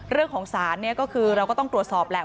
เรื่องของศาลเนี่ยก็คือเราก็ต้องตรวจสอบแหละ